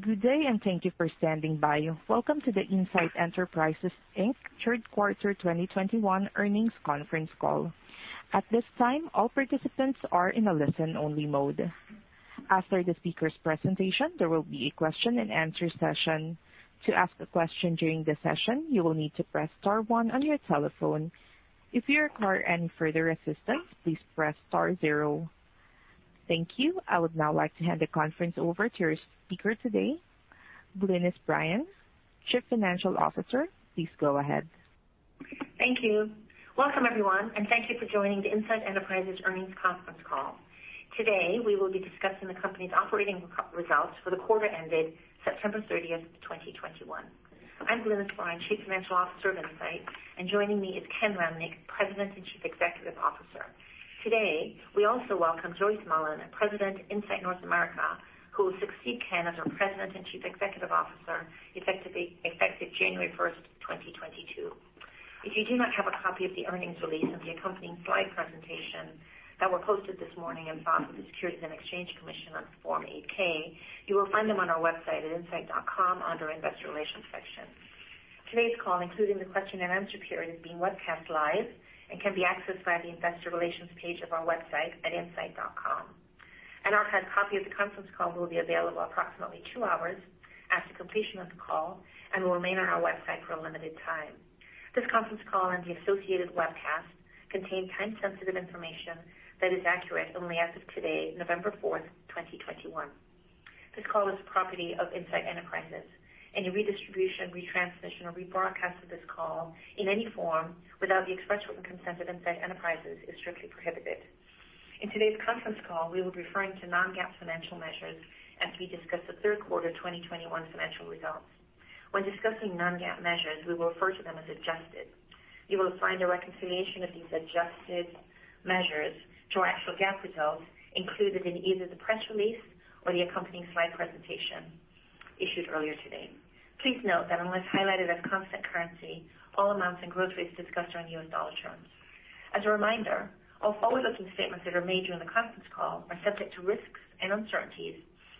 Good day, and thank you for standing by. Welcome to the Insight Enterprises Inc. Third Quarter 2021 Earnings Conference Call. At this time, all participants are in a listen-only mode. After the speaker's presentation, there will be a question-and-answer session. To ask a question during the session, you will need to press star one on your telephone. If you require any further assistance, please press star zero. Thank you. I would now like to hand the conference over to your speaker today, Glynis Bryan, Chief Financial Officer. Please go ahead. Thank you. Welcome, everyone, and thank you for joining the Insight Enterprises earnings conference call. Today, we will be discussing the company's operating results for the quarter ended September 30, 2021. I'm Glynis Bryan, Chief Financial Officer of Insight, and joining me is Ken Lamneck, President and Chief Executive Officer. Today, we also welcome Joyce Mullen, President, Insight North America, who will succeed Ken as our President and Chief Executive Officer, effective January 1, 2022. If you do not have a copy of the earnings release and the accompanying slide presentation that were posted this morning and filed with the Securities and Exchange Commission on Form 8-K, you will find them on our website at insight.com under Investor Relations section. Today's call, including the question-and-answer period, is being webcast live and can be accessed by the investor relations page of our website at insight.com. An archive copy of the conference call will be available approximately two hours after completion of the call and will remain on our website for a limited time. This conference call and the associated webcast contain time-sensitive information that is accurate only as of today, November 4, 2021. This call is the property of Insight Enterprises. Any redistribution, retransmission, or rebroadcast of this call in any form without the express written consent of Insight Enterprises is strictly prohibited. In today's conference call, we will be referring to non-GAAP financial measures as we discuss the third quarter 2021 financial results. When discussing non-GAAP measures, we will refer to them as adjusted. You will find a reconciliation of these adjusted measures to our actual GAAP results included in either the press release or the accompanying slide presentation issued earlier today. Please note that unless highlighted as constant currency, all amounts and growth rates discussed are in U.S. dollar terms. As a reminder, all forward-looking statements that are made during the conference call are subject to risks and uncertainties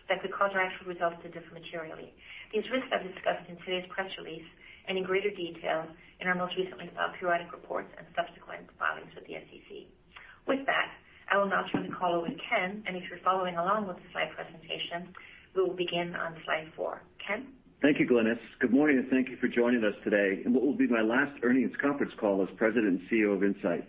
that could cause our actual results to differ materially. These risks are discussed in today's press release and in greater detail in our most recently filed periodic reports and subsequent filings with the SEC. With that, I will now turn the call over to Ken, and if you're following along with the slide presentation, we will begin on slide four. Ken? Thank you, Glynis. Good morning, and thank you for joining us today in what will be my last earnings conference call as President and CEO of Insight.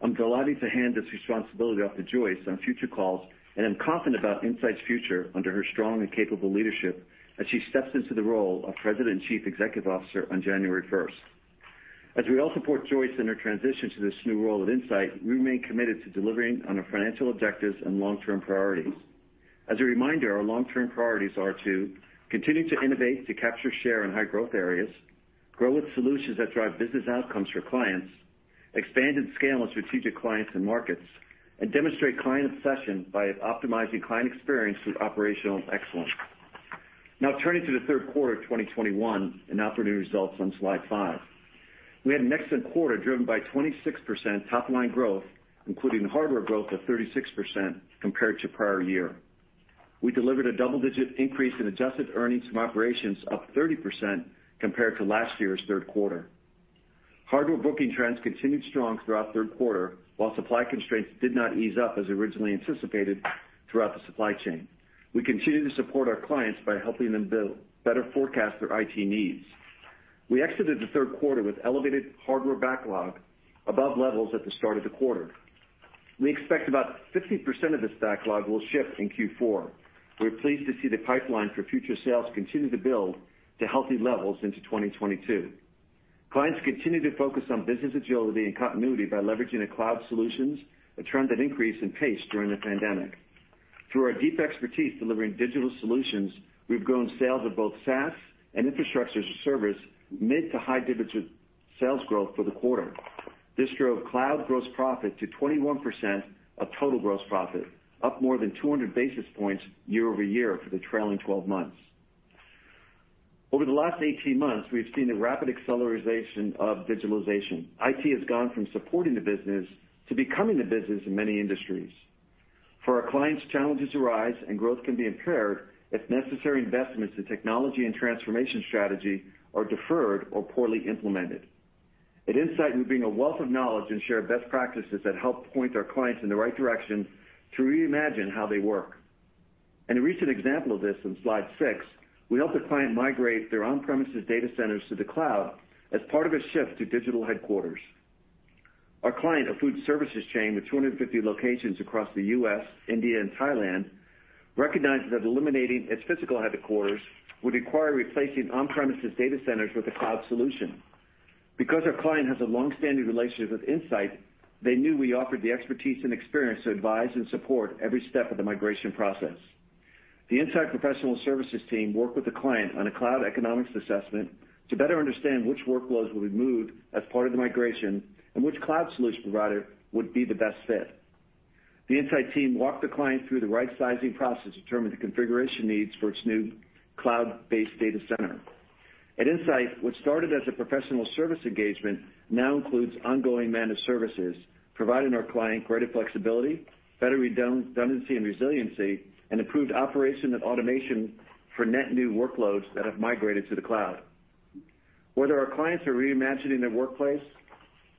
I'm delighted to hand this responsibility off to Joyce on future calls, and I'm confident about Insight's future under her strong and capable leadership as she steps into the role of President and Chief Executive Officer on January 1st. As we all support Joyce in her transition to this new role at Insight, we remain committed to delivering on our financial objectives and long-term priorities. As a reminder, our long-term priorities are to continue to innovate, to capture share in high growth areas, grow with solutions that drive business outcomes for clients, expand and scale with strategic clients and markets, and demonstrate client obsession by optimizing client experience through operational excellence. Now turning to the third quarter of 2021 and operating results on slide five. We had an excellent quarter driven by 26% top-line growth, including hardware growth of 36% compared to prior year. We delivered a double-digit increase in adjusted earnings from operations, up 30% compared to last year's third quarter. Hardware booking trends continued strong throughout third quarter, while supply constraints did not ease up as originally anticipated throughout the supply chain. We continue to support our clients by helping them build better forecasts for their IT needs. We exited the third quarter with elevated hardware backlog above levels at the start of the quarter. We expect about 50% of this backlog will ship in Q4. We're pleased to see the pipeline for future sales continue to build to healthy levels into 2022. Clients continue to focus on business agility and continuity by leveraging the cloud solutions, a trend that increased in pace during the pandemic. Through our deep expertise delivering digital solutions, we've grown sales of both SaaS and infrastructure as a service mid-to high-digits of sales growth for the quarter. This drove cloud gross profit to 21% of total gross profit, up more than 200 basis points year-over-year for the trailing 12 months. Over the last 18 months, we've seen a rapid acceleration of digitalization. IT has gone from supporting the business to becoming the business in many industries. For our clients, challenges arise and growth can be impaired if necessary investments in technology and transformation strategy are deferred or poorly implemented. At Insight, we bring a wealth of knowledge and share best practices that help point our clients in the right direction to reimagine how they work. In a recent example of this on slide six, we helped a client migrate their on-premises data centers to the cloud as part of a shift to digital headquarters. Our client, a food services chain with 250 locations across the U.S., India and Thailand, recognizes that eliminating its physical headquarters would require replacing on-premises data centers with a cloud solution. Because our client has a long-standing relationship with Insight, they knew we offered the expertise and experience to advise and support every step of the migration process. The Insight professional services team worked with the client on a cloud economics assessment to better understand which workloads would be moved as part of the migration and which cloud solution provider would be the best fit. The Insight team walked the client through the right sizing process to determine the configuration needs for its new cloud-based data center. At Insight, what started as a professional service engagement now includes ongoing managed services, providing our client greater flexibility, better redundancy and resiliency, and improved operation and automation for net-new workloads that have migrated to the cloud. Whether our clients are reimagining their workplace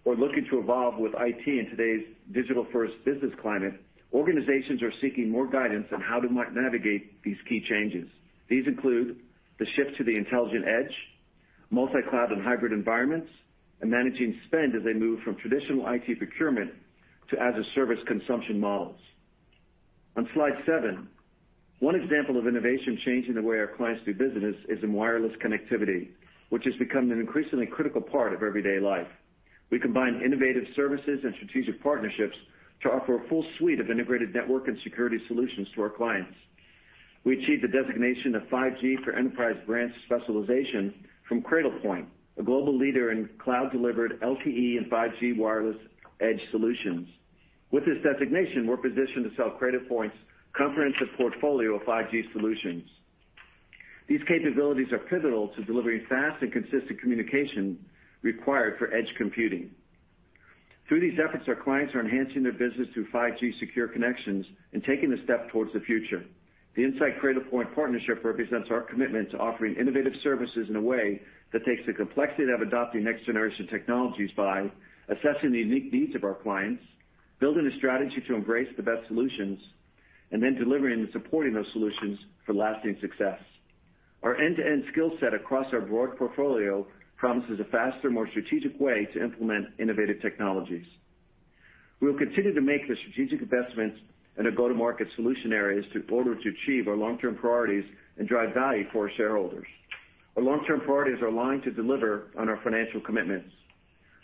or looking to evolve with IT in today's digital-first business climate, organizations are seeking more guidance on how to navigate these key changes. These include the shift to the intelligent edge, multi-cloud and hybrid environments, and managing spend as they move from traditional IT procurement to as-a-service consumption models. On slide seven, one example of innovation changing the way our clients do business is in wireless connectivity, which has become an increasingly critical part of everyday life. We combine innovative services and strategic partnerships to offer a full suite of integrated network and security solutions to our clients. We achieved the designation of 5G for Enterprise Branch Specialization from Cradlepoint, a global leader in cloud-delivered LTE and 5G wireless edge solutions. With this designation, we're positioned to sell Cradlepoint's comprehensive portfolio of 5G solutions. These capabilities are pivotal to delivering fast and consistent communication required for edge computing. Through these efforts, our clients are enhancing their business through 5G secure connections and taking the step towards the future. The Insight Cradlepoint partnership represents our commitment to offering innovative services in a way that takes the complexity of adopting next-generation technologies by assessing the unique needs of our clients, building a strategy to embrace the best solutions, and then delivering and supporting those solutions for lasting success. Our end-to-end skill set across our broad portfolio promises a faster, more strategic way to implement innovative technologies. We will continue to make the strategic investments in the go-to-market solution areas in order to achieve our long-term priorities and drive value for our shareholders. Our long-term priorities are aligned to deliver on our financial commitments.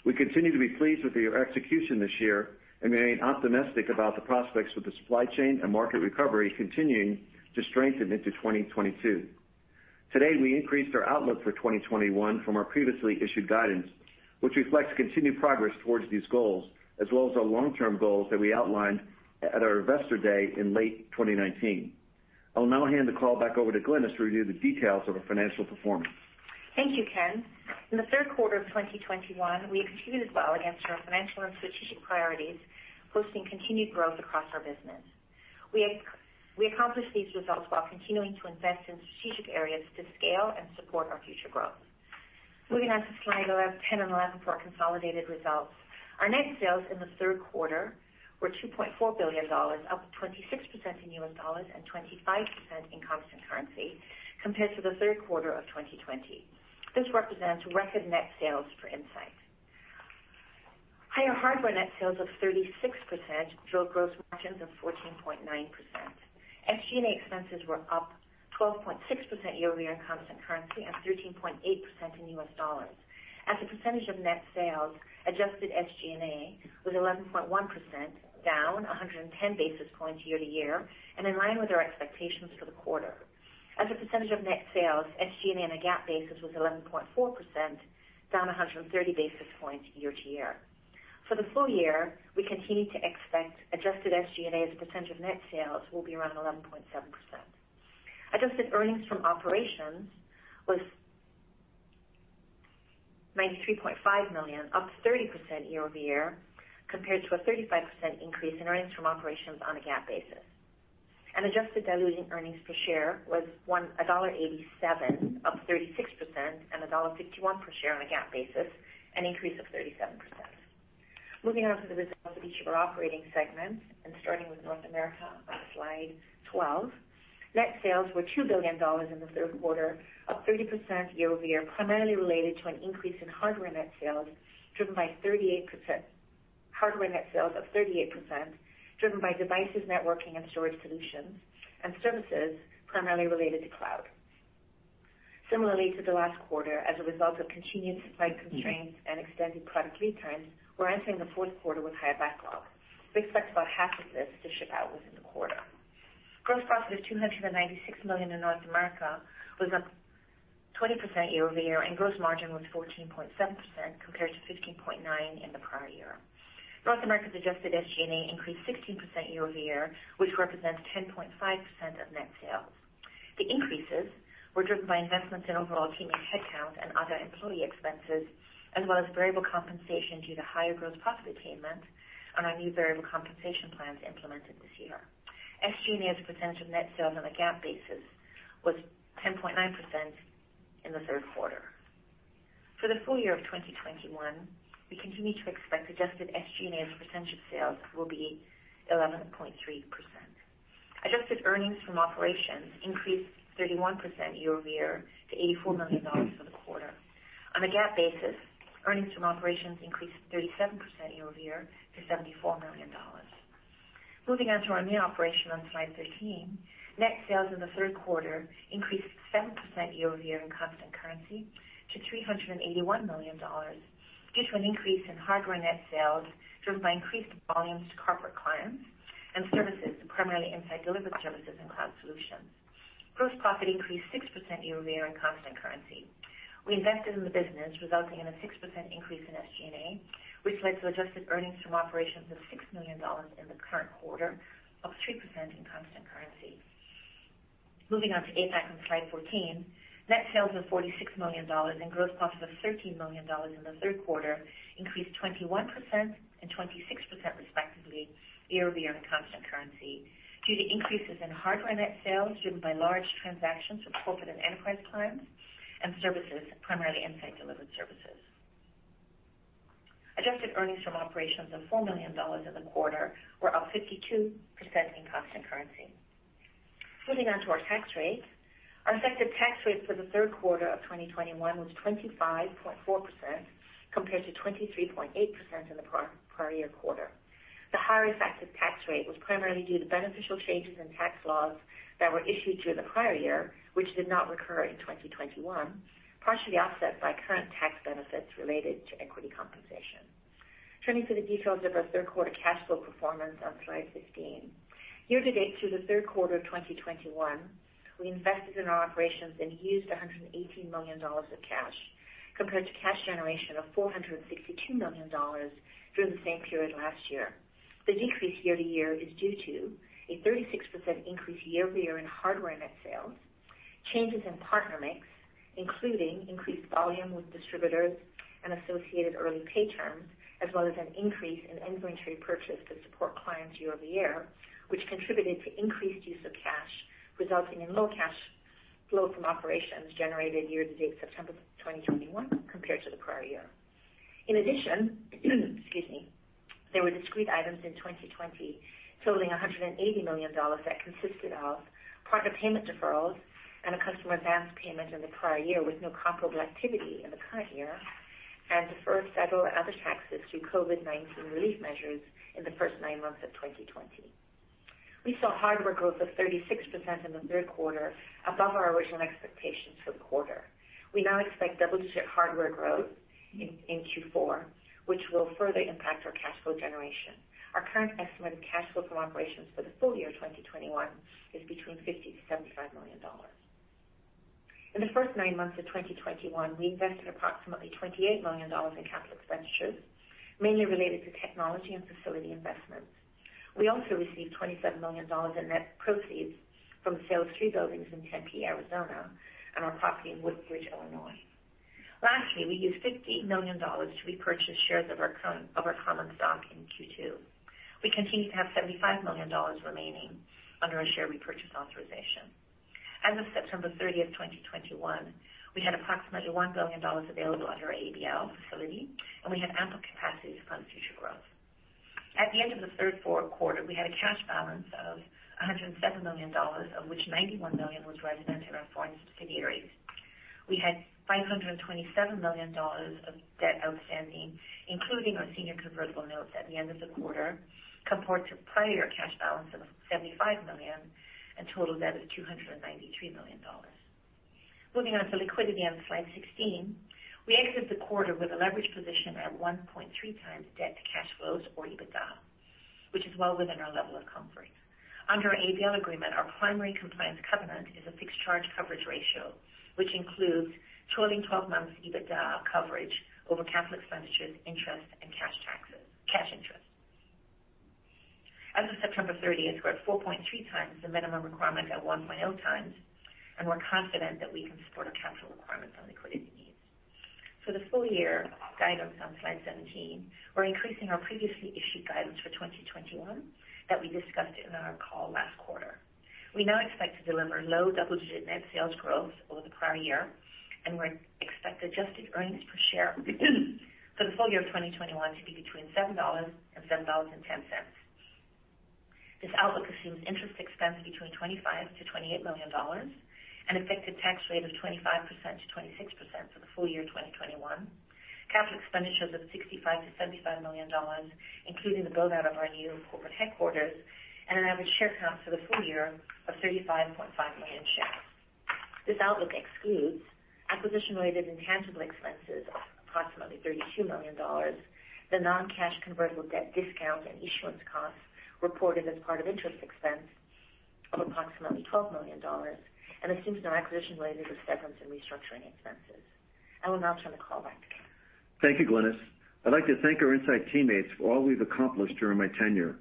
We continue to be pleased with your execution this year and remain optimistic about the prospects for the supply chain and market recovery continuing to strengthen into 2022. Today, we increased our outlook for 2021 from our previously issued guidance, which reflects continued progress towards these goals, as well as our long-term goals that we outlined at our Investor Day in late 2019. I'll now hand the call back over to Glynis to review the details of our financial performance. Thank you, Ken. In the third quarter of 2021, we continued well against our financial and strategic priorities, posting continued growth across our business. We accomplished these results while continuing to invest in strategic areas to scale and support our future growth. Moving on to slides 10 and 11 for our consolidated results. Our net sales in the third quarter were $2.4 billion, up 26% in U.S. dollars and 25% in constant currency compared to the third quarter of 2020. This represents record net sales for Insight. Higher hardware net sales of 36% drove gross margins of 14.9%. SG&A expenses were up 12.6% year-over-year in constant currency, and 13.8% in U.S. dollars. As a percentage of net sales, adjusted SG&A was 11.1%, down 110 basis points year-over-year and in line with our expectations for the quarter. As a percentage of net sales, SG&A on a GAAP basis was 11.4%, down 130 basis points year-over-year. For the full year, we continue to expect adjusted SG&A as a percentage of net sales will be around 11.7%. Adjusted earnings from operations was $93.5 million, up 30% year-over-year, compared to a 35% increase in earnings from operations on a GAAP basis. Adjusted diluting earnings per share was $1.87, up 36%, and $1.61 per share on a GAAP basis, an increase of 37%. Moving on to the results of each of our operating segments, starting with North America on slide 12. Net sales were $2 billion in the third quarter, up 30% year-over-year, primarily related to an increase in hardware net sales, hardware net sales of 38%, driven by devices, networking, and storage solutions, and services primarily related to cloud. Similarly to the last quarter, as a result of continued supply constraints and extended product lead times, we're entering the fourth quarter with higher backlogs. We expect about half of this to ship out within the quarter. Gross profit of $296 million in North America was up 20% year-over-year, and gross margin was 14.7% compared to 15.9% in the prior year. North America's adjusted SG&A increased 16% year over year, which represents 10.5% of net sales. The increases were driven by investments in overall team headcount and other employee expenses, as well as variable compensation due to higher gross profit attainment on our new variable compensation plans implemented this year. SG&A as a percentage of net sales on a GAAP basis was 10.9% in the third quarter. For the full year of 2021, we continue to expect adjusted SG&A as a percentage of sales will be 11.3%. Adjusted earnings from operations increased 31% year over year to $84 million for the quarter. On a GAAP basis, earnings from operations increased 37% year over year to $74 million. Moving on to our EMEA operation on slide 13. Net sales in the third quarter increased 7% year-over-year in constant currency to $381 million, due to an increase in hardware net sales driven by increased volumes to corporate clients, and services, primarily Insight Delivery Services and Cloud Solutions. Gross profit increased 6% year-over-year in constant currency. We invested in the business, resulting in a 6% increase in SG&A, which led to adjusted earnings from operations of $6 million in the current quarter, up 3% in constant currency. Moving on to APAC on slide 14, net sales of $46 million and gross profit of $13 million in the third quarter increased 21% and 26% respectively year-over-year in constant currency due to increases in hardware net sales driven by large transactions with corporate and enterprise clients and services, primarily Insight Delivery Services. Adjusted earnings from operations of $4 million in the quarter were up 52% in constant currency. Moving on to our tax rate. Our effective tax rate for the third quarter of 2021 was 25.4% compared to 23.8% in the prior-prior year quarter. The higher effective tax rate was primarily due to beneficial changes in tax laws that were issued during the prior year, which did not recur in 2021, partially offset by current tax benefits related to equity compensation. Turning to the details of our third quarter cash flow performance on slide 15. Year-to-date through the third quarter of 2021, we invested in our operations and used $118 million of cash compared to cash generation of $462 million during the same period last year. The decrease year-to-year is due to a 36% increase year-over-year in hardware net sales, changes in partner mix, including increased volume with distributors and associated early-pay terms, as well as an increase in inventory purchase to support clients year-over-year, which contributed to increased use of cash, resulting in low cash flow from operations generated year-to-date September 2021 compared to the prior year. In addition—excuse me—there were discrete items in 2020 totaling $180 million that consisted of partner-payment deferrals and a customer advance payment in the prior year with no comparable activity in the current year, and deferred federal and other taxes through COVID-19 relief measures in the first nine months of 2020. We saw hardware growth of 36% in the third quarter above our original expectations for the quarter. We now expect double-digit hardware growth in Q4, which will further impact our cash flow generation. Our current estimated cash flow from operations for the full year 2021 is between $50 million-$75 million. In the first nine months of 2021, we invested approximately $28 million in capital expenditures, mainly related to technology and facility investments. We also received $27 million in net proceeds from the sale of three buildings in Tempe, Arizona, and our property in Woodbridge, Illinois. Lastly, we used $58 million to repurchase shares of our common stock in Q2. We continue to have $75 million remaining under our share repurchase authorization. As of September 30, 2021, we had approximately $1 billion available under our ABL facility, and we have ample capacity to fund future growth. At the end of the third quarter, we had a cash balance of $107 million, of which $91 million was resident in our foreign subsidiaries. We had $527 million of debt outstanding, including our Convertible Senior Notes at the end of the quarter, compared to prior year cash balance of $75 million and total debt of $293 million. Moving on to liquidity on slide 16. We exited the quarter with a leverage position at 1.3x debt-to-cash-flows or EBITDA, which is well within our level of comfort. Under our ABL agreement, our primary compliance covenant is a fixed charge coverage ratio, which includes trailing 12 months EBITDA coverage over capital expenditures, interest and cash taxes, cash interest. As of September 30, we're at 4.3x the minimum requirement at 1.0x, and we're confident that we can support our capital requirements and liquidity needs. For the full year guidance on slide 17, we're increasing our previously issued guidance for 2021 that we discussed in our call last quarter. We now expect to deliver low double-digit net sales growth over the prior year, and we expect adjusted earnings per share for the full year of 2021 to be between $7 and $7.10. This outlook assumes interest expense between $25 million-$28 million, an effective tax rate of 25%-26% for the full year 2021. Capital expenditures of $65 million-$75 million, including the build-out of our new corporate headquarters and an average share count for the full year of 35.5 million shares. This outlook excludes acquisition-related intangible expenses of approximately $32 million, the non-cash convertible debt discount and issuance costs reported as part of interest expense of approximately $12 million, and assumes no acquisition-related or severance and restructuring expenses. I will now turn the call back to Ken. Thank you, Glynis. I'd like to thank our Insight teammates for all we've accomplished during my tenure.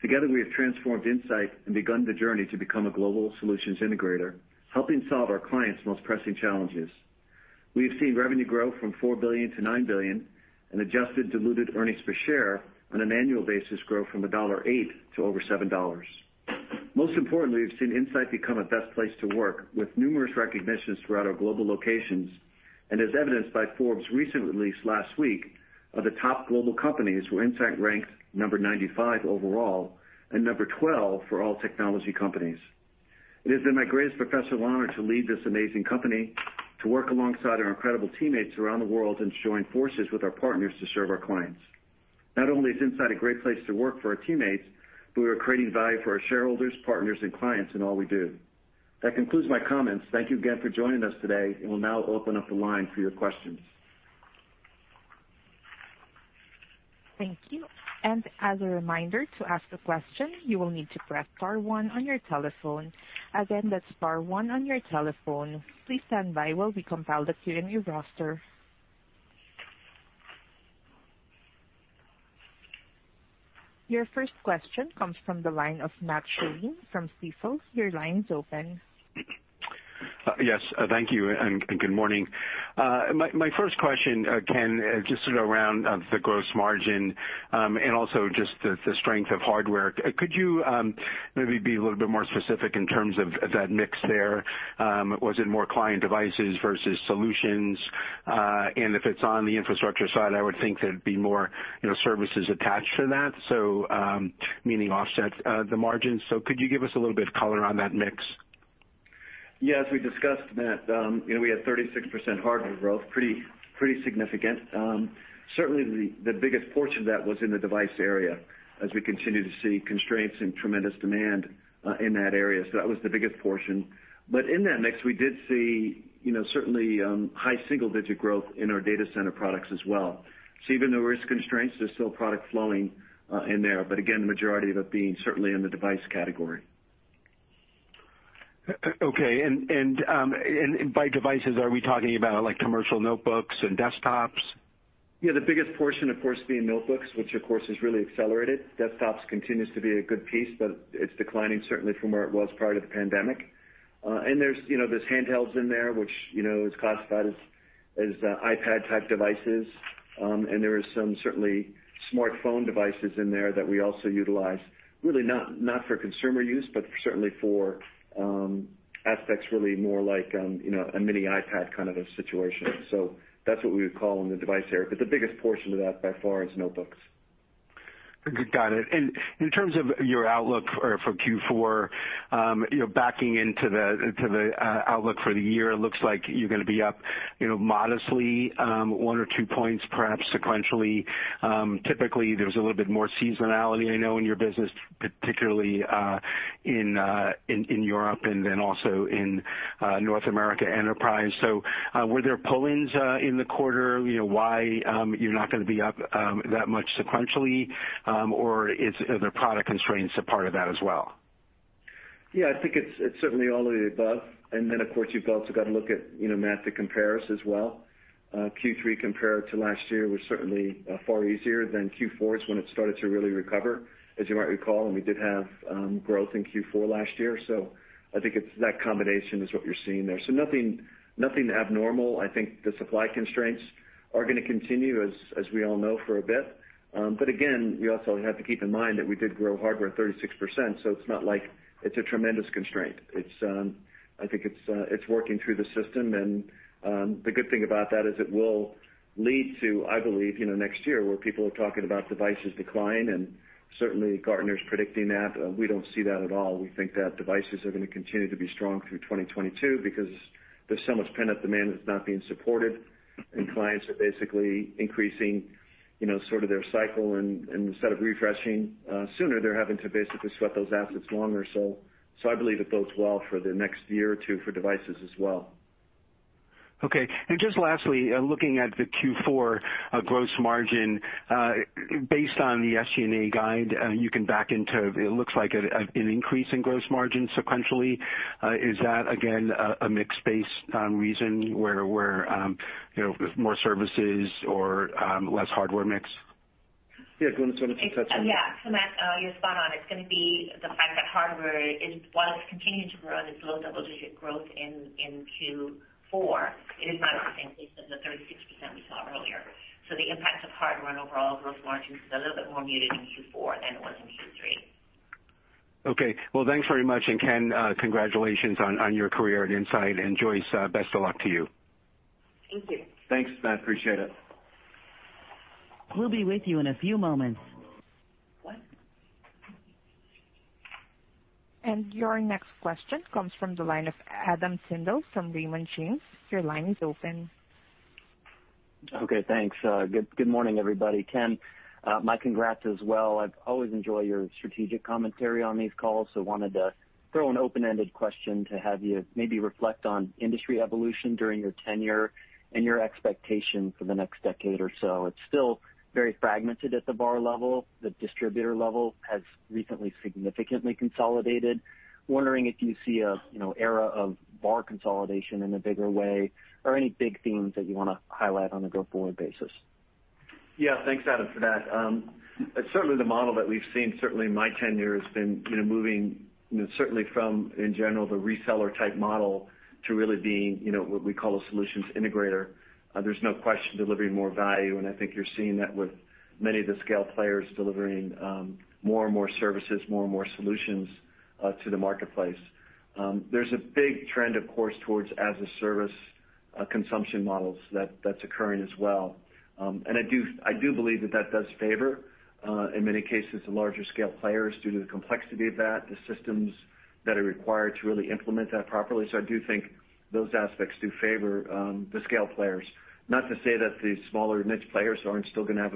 Together, we have transformed Insight and begun the journey to become a global solutions integrator, helping solve our clients' most pressing challenges. We have seen revenue grow from $4 billion to $9 billion and adjusted diluted earnings per share on an annual basis grow from $1.08 to over $7. Most importantly, we've seen Insight become a best place to work with numerous recognitions throughout our global locations, and as evidenced by Forbes recently released last week of the top global companies where Insight ranked 95 overall and number 12 for all technology companies. It has been my greatest professional honor to lead this amazing company, to work alongside our incredible teammates around the world and to join forces with our partners to serve our clients. Not only is Insight a great place to work for our teammates, but we are creating value for our shareholders, partners, and clients in all we do. That concludes my comments. Thank you again for joining us today, and we'll now open up the line for your questions. Thank you. As a reminder to ask a question, you will need to press star one on your telephone. Again, that's star one on your telephone. Please stand by while we compile the Q&A roster. Your first question comes from the line of Matt Sheerin from Stifel. Your line's open. Yes, thank you and good morning. My first question, Ken, just sort of around the gross margin and also just the strength of hardware. Could you maybe be a little bit more specific in terms of that mix there? Was it more client devices versus solutions? If it's on the infrastructure side, I would think there'd be more, you know, services attached to that, so meaning offset the margins. Could you give us a little bit of color on that mix? Yes. We discussed that, you know, we had 36% hardware growth; pretty significant. Certainly the biggest portion of that was in the device area as we continue to see constraints and tremendous demand in that area. That was the biggest portion. In that mix, we did see, you know, certainly high-single-digit growth in our data center products as well. Even though there is constraints, there's still product flowing in there, but again, the majority of it being certainly in the device category. Okay. By devices, are we talking about like commercial notebooks and desktops? Yeah. The biggest portion, of course, being notebooks, which of course has really accelerated. Desktops continues to be a good piece, but it's declining certainly from where it was prior to the pandemic. And there's, you know, handhelds in there, which, you know, is classified as iPad-type devices. And there is some certainly smartphone devices in there that we also utilize, really not for consumer use, but certainly for aspects really more like, you know, a mini-iPad kind of a situation. So that's what we would call in the device area. But the biggest portion of that by far is notebooks. Got it. In terms of your outlook for Q4, you know, backing into the outlook for the year, it looks like you're gonna be up modestly one or two points perhaps sequentially. Typically, there's a little bit more seasonality, I know, in your business, particularly in Europe and then also in North America enterprise. Were there pull-ins in the quarter? You know, why you're not gonna be up that much sequentially, or are there product constraints a part of that as well? Yeah. I think it's certainly all of the above. Then, of course, you've also got to look at, you know, Matt, the compares as well. Q3 compared to last year was certainly far easier than Q4 is when it started to really recover, as you might recall, and we did have growth in Q4 last year. I think it's that combination is what you're seeing there. Nothing abnormal. I think the supply constraints are gonna continue, as we all know, for a bit. Again, you also have to keep in mind that we did grow hardware 36%, so it's not like it's a tremendous constraint. It's, I think, it's working through the system. The good thing about that is it will lead to, I believe, you know, next year where people are talking about devices decline, and certainly Gartner's predicting that. We don't see that at all. We think that devices are gonna continue to be strong through 2022 because there's so much pent-up demand that's not being supported, and clients are basically increasing, you know, sort of their cycle. Instead of refreshing sooner, they're having to basically sweat those assets longer. I believe it bodes well for the next year or two for devices as well. Okay. Just lastly, looking at the Q4 gross margin, based on the SG&A guide, you can back into it. It looks like an increase in gross margin sequentially. Is that again a mix based reason where we're, you know, with more services or less hardware mix? Yeah. Do you want to sort of touch on that? Matt, you're spot on. It's gonna be the fact that hardware is, while it's continuing to grow at this low-double-digit growth in Q4, it is not at the same pace as the 36% we saw earlier. The impact of hardware on overall growth margins is a little bit more muted in Q4 than it was in Q3. Okay. Well, thanks very much. Ken, congratulations on your career at Insight. Joyce, best of luck to you. Thank you. Thanks, Matt. Appreciate it. We'll be with you in a few moments. Your next question comes from the line of Adam Tindle from Raymond James. Your line is open. Okay, thanks. Good morning, everybody. Ken, my congrats as well. I always enjoy your strategic commentary on these calls. Wanted to throw an open-ended question to have you maybe reflect on industry evolution during your tenure and your expectation for the next decade or so. It's still very fragmented at the VAR level. The distributor level has recently significantly consolidated. Wondering if you see a era of VAR consolidation in a bigger way or any big themes that you wanna highlight on a go-forward basis. Yeah. Thanks, Adam, for that. Certainly the model that we've seen, certainly in my tenure, has been, you know, moving, you know, certainly from, in general, the reseller-type model to really being, you know, what we call a solutions integrator. There's no question delivering more value, and I think you're seeing that with many of the scale players delivering more and more services, more and more solutions to the marketplace. There's a big trend, of course, towards as-a-service consumption models that's occurring as well. I do, I do believe that that does favor, in many cases, the larger scale players due to the complexity of that, the systems that are required to really implement that properly. I do think those aspects do favor the scale players. Not to say that the smaller niche players aren't still gonna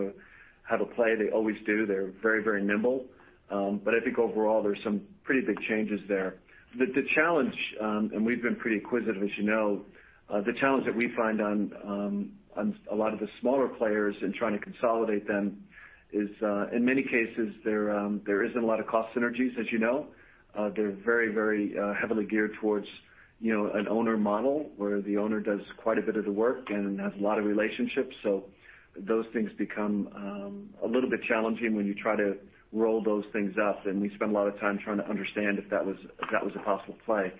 have a play. They always do. They're very, very nimble. But I think overall, there's some pretty big changes there. The challenge and we've been pretty inquisitive, as you know, that we find on a lot of the smaller players in trying to consolidate them is, in many cases there isn't a lot of cost synergies, as you know. They're very, very heavily geared towards, you know, an owner model, where the owner does quite a bit of the work and has a lot of relationships. Those things become a little bit challenging when you try to roll those things up, and we spend a lot of time trying to understand if that was a possible play.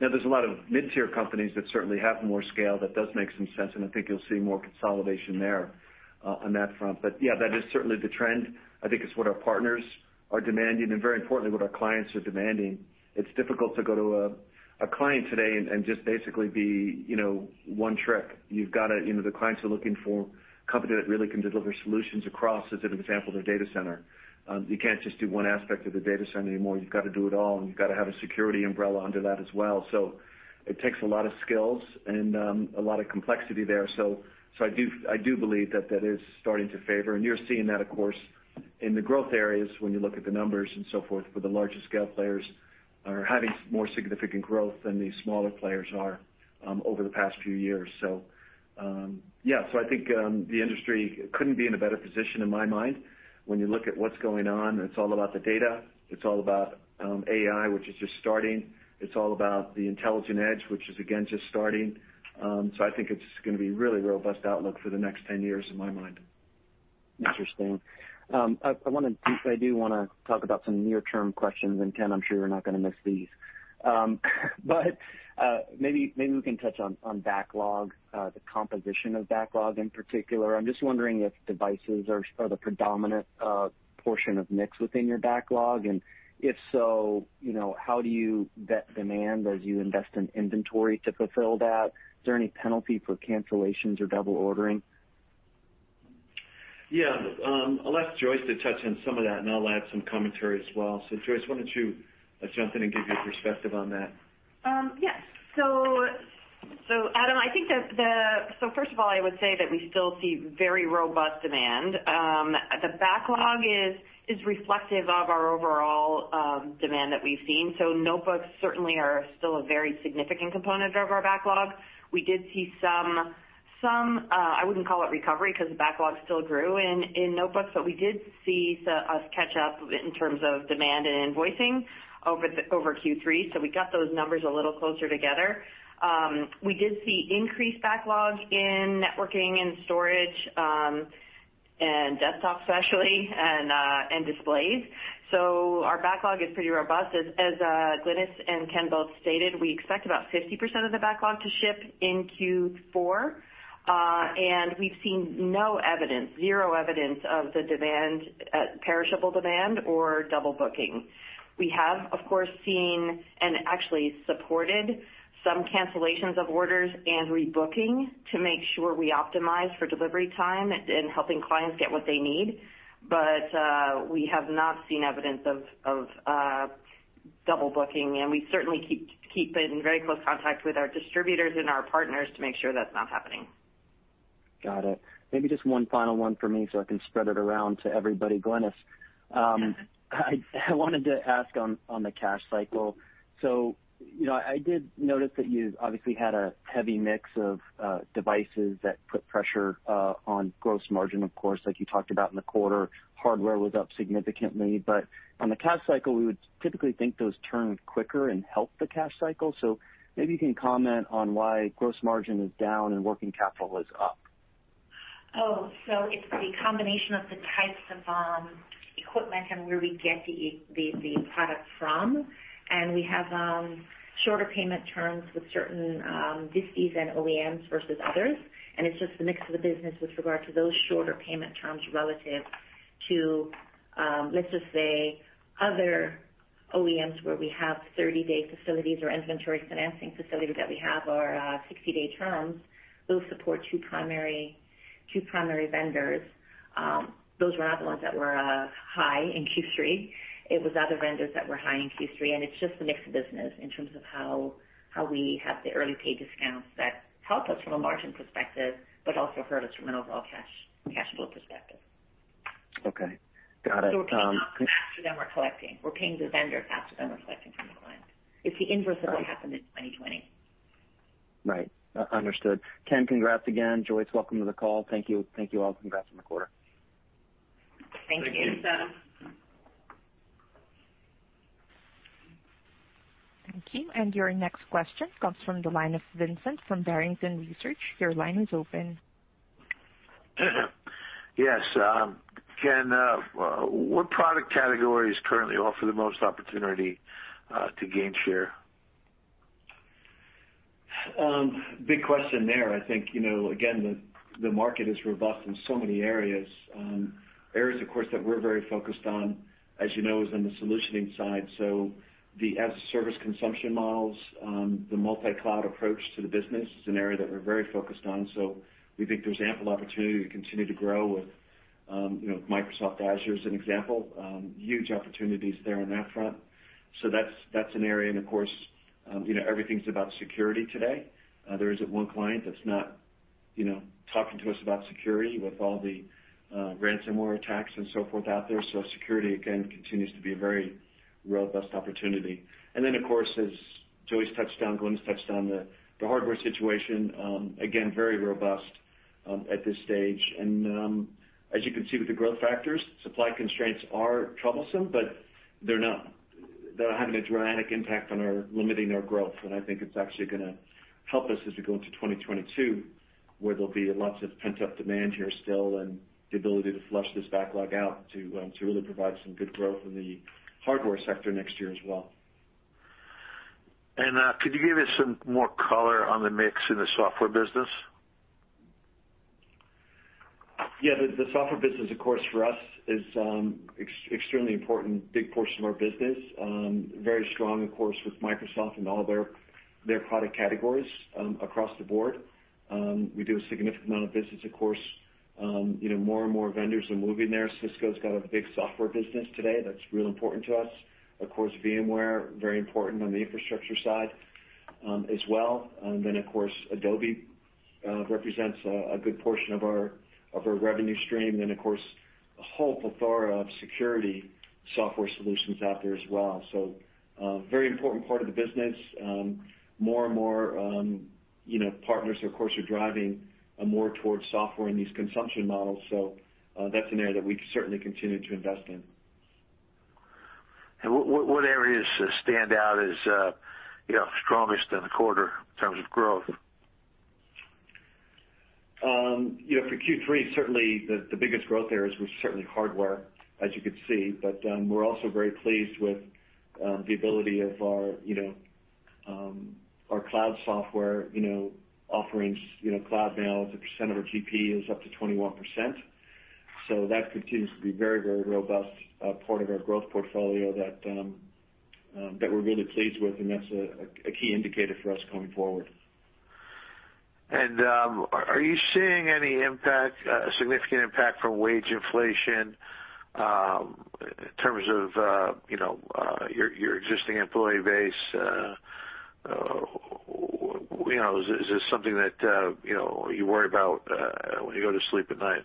Now, there's a lot of mid-tier companies that certainly have more scale that does make some sense, and I think you'll see more consolidation there, on that front. Yeah, that is certainly the trend. I think it's what our partners are demanding and very importantly, what our clients are demanding. It's difficult to go to a client today and just basically be, you know, one-trick. You've gotta—you know—the clients are looking for a company that really can deliver solutions across, as an example, their data center. You can't just do one aspect of the data center anymore. You've gotta do it all, and you've gotta have a security umbrella under that as well. It takes a lot of skills and a lot of complexity there. I do believe that is starting to favor, and you're seeing that, of course, in the growth areas when you look at the numbers and so forth for the larger scale players are having more significant growth than the smaller players are over the past few years. Yeah. I think the industry couldn't be in a better position in my mind. When you look at what's going on, it's all about the data. It's all about AI, which is just starting. It's all about the intelligent edge, which is again, just starting. I think it's gonna be really robust outlook for the next 10 years in my mind. Interesting. I do wanna talk about some near-term questions, and Ken, I'm sure you're not gonna miss these. Maybe we can touch on backlog, the composition of backlog in particular. I'm just wondering if devices are the predominant portion of mix within your backlog, and if so, you know, how do you vet demand as you invest in inventory to fulfill that? Is there any penalty for cancellations or double ordering? Yeah. I'll ask Joyce to touch on some of that, and I'll add some commentary as well. Joyce, why don't you jump in and give your perspective on that? Yes. Adam, I think that first of all I would say that we still see very robust demand. The backlog is reflective of our overall demand that we've seen. Notebooks certainly are still a very significant component of our backlog. We did see some, I wouldn't call it recovery 'cause the backlog still grew in notebooks, but we did see us catch up in terms of demand and invoicing over Q3. We got those numbers a little closer together. We did see increased backlog in networking and storage, and desktops especially, and displays. Our backlog is pretty robust. Glynis and Ken both stated: "we expect about 50% of the backlog to ship in Q4," and we've seen no evidence, zero evidence of the demand, perishable demand or double booking. We have, of course, seen and actually supported some cancellations of orders and rebooking to make sure we optimize for delivery time in helping clients get what they need. We have not seen evidence of double booking, and we certainly keep in very close contact with our distributors and our partners to make sure that's not happening. Got it. Maybe just one final one for me so I can spread it around to everybody. Glynis? Yes. I wanted to ask on the cash cycle. You know, I did notice that you obviously had a heavy mix of devices that put pressure on gross margin, of course, like you talked about in the quarter. Hardware was up significantly. On the cash cycle, we would typically think those turned quicker and helped the cash cycle. Maybe you can comment on why gross margin is down and working capital is up. It's the combination of the types of equipment and where we get the product from. We have shorter payment terms with certain distis and OEMs versus others. It's just the mix of the business with regard to those shorter payment terms relative to, let's just say other OEMs where we have 30-day facilities or inventory financing facilities that are 60-day terms. Those support two primary vendors. Those were not the ones that were high in Q3. It was other vendors that were high in Q3, and it's just a mix of business in terms of how we have the early pay discounts that help us from a margin perspective, but also hurt us from an overall cash flow perspective. Okay. Got it. We're paying after them; we're collecting. We're paying the vendors after them, we're collecting from the clients. It's the inverse of what happened in 2020. Right. Understood. Ken, congrats again. Joyce, welcome to the call. Thank you. Thank you all. Congrats on the quarter. Thank you. Thank you. Thanks. Thank you. Your next question comes from the line of Vincent from Barrington Research. Your line is open. Yes, Ken, what product categories currently offer the most opportunity to gain share? Big question there. I think, you know, again, the market is robust in so many areas, of course, that we're very focused on, as you know, is in the solutioning side. The as-a-service consumption models, the multi-cloud approach to the business is an area that we're very focused on. We think there's ample opportunity to continue to grow with, you know, Microsoft Azure as an example. Huge opportunities there on that front. That's an area and of course, you know, everything's about security today. There isn't one client that's not, you know, talking to us about security with all the ransomware attacks and so forth out there. Security, again, continues to be a very robust opportunity. Of course, as Joyce touched on, Glynis touched on the hardware situation, again, very robust at this stage. As you can see with the growth factors, supply constraints are troublesome, but they're not having a dramatic impact on our growth, and I think it's actually gonna help us as we go into 2022, where there'll be lots of pent-up demand here still and the ability to flush this backlog out to really provide some good growth in the hardware sector next year as well. Could you give us some more color on the mix in the software business? Yeah. The software business, of course, for us is extremely important, big portion of our business. Very strong, of course, with Microsoft and all their product categories across the board. We do a significant amount of business, of course. You know, more and more vendors are moving there. Cisco's got a big software business today that's real important to us. Of course, VMware, very important on the infrastructure side, as well. Of course, Adobe represents a good portion of our revenue stream. Of course, a whole plethora of security software solutions out there as well. Very important part of the business. More and more, you know, partners, of course, are driving more towards software in these consumption models, so that's an area that we certainly continue to invest in. What areas stand out as, you know, strongest in the quarter in terms of growth? You know, for Q3, certainly the biggest growth areas was certainly hardware, as you can see. We're also very pleased with the ability of our, you know, our cloud software, you know, offerings. You know, cloud now as a percent of our GP is up to 21%, so that continues to be very, very robust part of our growth portfolio that we're really pleased with, and that's a key indicator for us coming forward. Are you seeing any impact, significant impact from wage inflation, in terms of, you know, your existing employee base? You know, is this something that, you know, you worry about, when you go to sleep at night?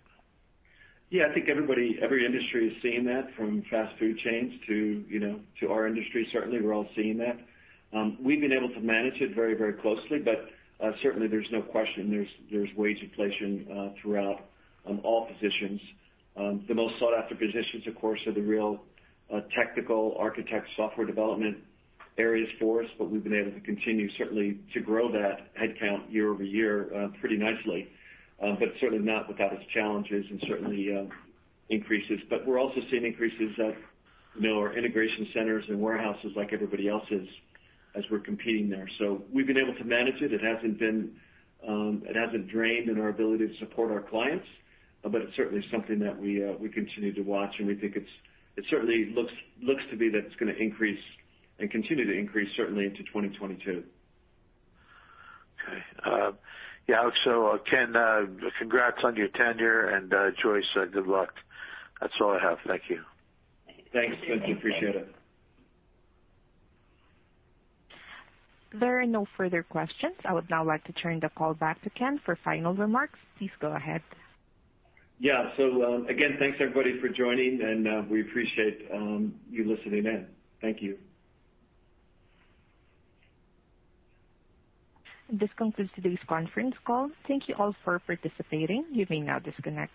Yeah, I think everybody, every industry is seeing that from fast food chains to, you know, to our industry. Certainly, we're all seeing that. We've been able to manage it very, very closely, but certainly there's no question there's wage inflation throughout all positions. The most sought after positions, of course, are the real technical architect software development areas for us, but we've been able to continue certainly to grow that headcount year-over-year pretty nicely. Certainly not without its challenges and certainly increases. We're also seeing increases at, you know, our integration centers and warehouses like everybody else is as we're competing there. We've been able to manage it. It hasn't been a drain on our ability to support our clients, but it's certainly something that we continue to watch, and we think it certainly looks to be that it's gonna increase and continue to increase certainly into 2022. Okay. Yeah. Ken, congrats on your tenure, and Joyce, good luck. That's all I have. Thank you. Thank you. Thank you. Appreciate it. There are no further questions. I would now like to turn the call back to Ken for final remarks. Please go ahead. Yeah. Again, thanks everybody for joining, and we appreciate you listening in. Thank you. This concludes today's conference call. Thank you all for participating. You may now disconnect.